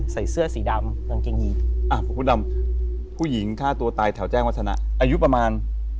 ใส่เสื้อสีดำกางเกงยีนอ่ะคุณดำผู้หญิงฆ่าตัวตายแถวแจ้งวัฒนะอายุประมาณ